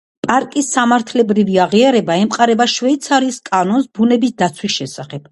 პარკის სამართლებრივი აღიარება ემყარება შვეიცარიის კანონს ბუნების დაცვის შესახებ.